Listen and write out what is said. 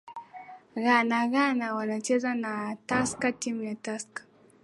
ghana ghana wanacheza na tusker timu ya tusker